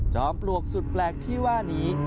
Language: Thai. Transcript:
ปลวกสุดแปลกที่ว่านี้